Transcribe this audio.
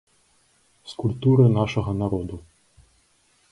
З культуры нашага народу.